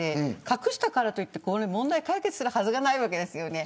隠したからといって問題解決するはずがないですよね。